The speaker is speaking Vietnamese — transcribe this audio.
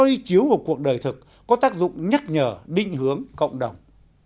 hướng chiếu của cuộc đời thực có tác dụng nhắc nhở định hướng cộng đồng